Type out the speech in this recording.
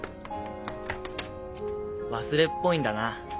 忘れっぽいんだな。